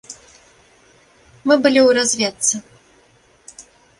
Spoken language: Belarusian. Мы былі ў разведцы.